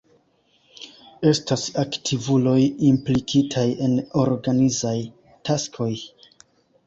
Estas aktivuloj implikitaj en organizaj taskoj.